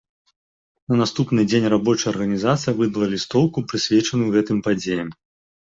На наступны дзень рабочая арганізацыя выдала лістоўку, прысвечаную гэтым падзеям.